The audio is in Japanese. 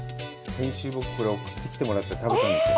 先週、僕これ送ってもらって、食べたんですよ。